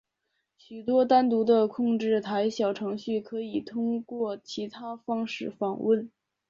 许多单独的控制台小程序可以通过其他方式访问。